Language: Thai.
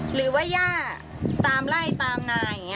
หรือว่าย่าตามไล่ตามนาย